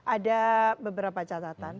ada beberapa catatan